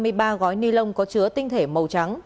một gói ni lông có chứa tinh thể màu trắng